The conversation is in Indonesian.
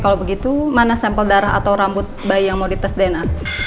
kalau begitu mana sampel darah atau rambut bayi yang mau dites dna